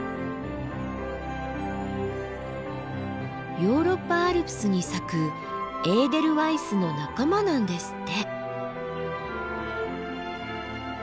ヨーロッパアルプスに咲くエーデルワイスの仲間なんですって。